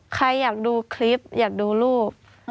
ใครอยากดูคลิปอยากดูรูป